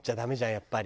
やっぱり。